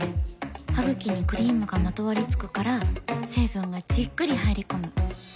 ハグキにクリームがまとわりつくから成分がじっくり入り込む。